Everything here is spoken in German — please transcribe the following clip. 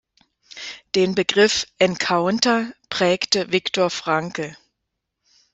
Den Begriff „Encounter“ prägte Viktor Frankl.